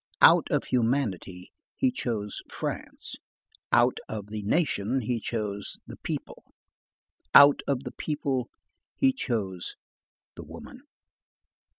Out of humanity he chose France; out of the Nation he chose the people; out of the people he chose the woman.